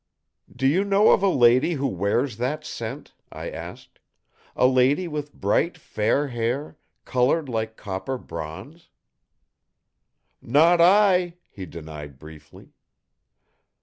"Do you know of a lady who wears that scent?" I asked. "A lady with bright fair hair, colored like copper bronze?" "Not I!" he denied briefly.